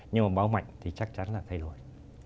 nhưng mà báo mạnh thì chắc chắn là thay đổi